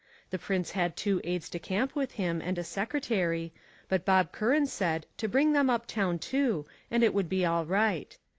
The prince had two aides de camp with him and a secretary, but Bob Curran said to bring them uptown too and it would be all right.